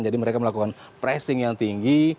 jadi mereka melakukan pressing yang tinggi